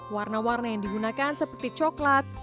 warna warna yang digunakan seperti coklat